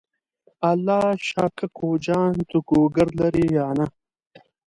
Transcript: الله شا کوکو جان ته ګوګرد لرې یا نه؟